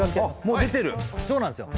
もう出てるそうなんですよ